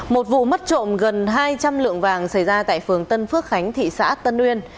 một vụ mất trộm gần hai trăm linh lượng vàng xảy ra tại phường tân phước khánh thị xã tân uyên